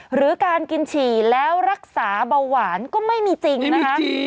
หรือการกินฉี่แล้วรักษาเบาหวานก็ไม่มีจริงนะคะ